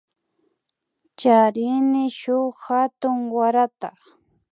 Charini shuk hatun warata